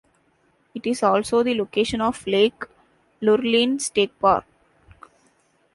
It is also the location of Lake Lurleen State Park.